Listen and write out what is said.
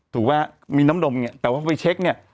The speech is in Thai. ถูกไหมมีน้ำนมเนี่ยแต่ว่าไปเช็คเนี่ย